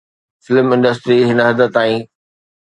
film industry هن حد تائين